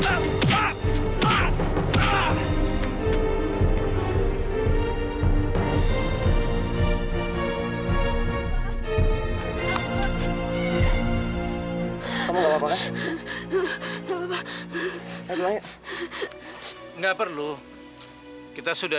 kalau dia bisa diam